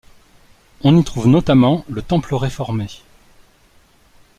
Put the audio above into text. On y trouve notamment le temple réformé.